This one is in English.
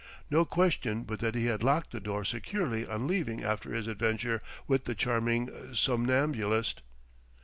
No question but that he had locked the door securely, on leaving after his adventure with the charming somnambulist....